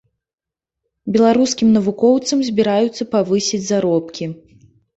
Беларускім навукоўцам збіраюцца павысіць заробкі.